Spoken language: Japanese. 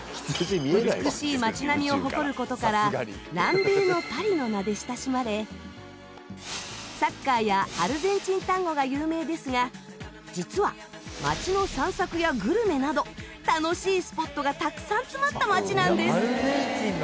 美しい街並みを誇る事から「南米のパリ」の名で親しまれサッカーやアルゼンチンタンゴが有名ですが実は街の散策やグルメなど楽しいスポットがたくさん詰まった街なんです。